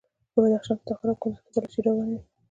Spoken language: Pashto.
په بدخشان، تخار او کندوز کې تالاشۍ روانې وې.